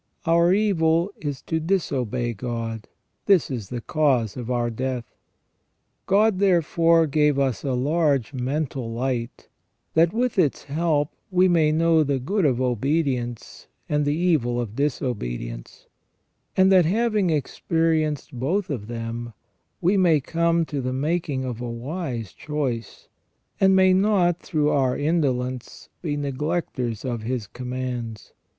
Our evil is to disobey God ; this is the cause of our death. God therefore gave us a large mental light, that with its help we may know the good of obedience and the evil of disobedience, and that having expe rienced both of them, we may come to the making of a wise choice, and may not through our indolence be neglectors of His commands.